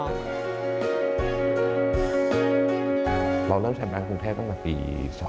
เราเริ่มใช้แป้งกรุงเทพตั้งแต่ปี๒๕๕๒